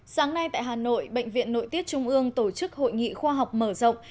sáng nay tại hà nội bệnh viện nội tiết trung ương tổ chức hội nghị khoa học mở rộng